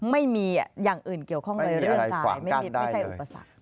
ไม่มีอย่างอื่นเกี่ยวข้องเลยเรื่องกายไม่ใช่อุปสรรค